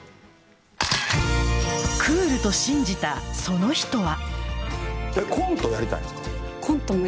クールと信じたその人は。